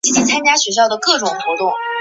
利乌克。